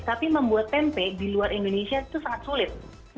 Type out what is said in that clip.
tapi membuat tempe di luar indonesia itu sangat sulit